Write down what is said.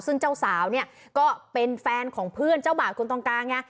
ซึ่งเจ้าสาวเนี่ยก็เป็นแฟนของเพื่อนเจ้าบ่าวคนตรงกลางไง